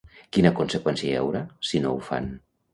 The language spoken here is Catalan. Quina conseqüència hi haurà, si no ho fan?